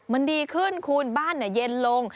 มันดีขึ้นคูณบ้านเย็นลง